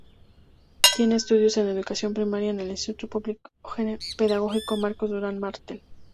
Tiene estudios en Educación Primaria en el Instituto Público Pedagógico Marcos Duran Martel.